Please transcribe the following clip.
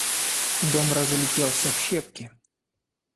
Дом разлетелся в щепки.